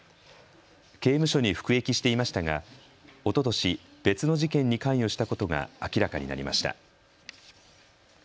刑務所に服役していましたがおととし、別の事件に関与したことが明らかになりました。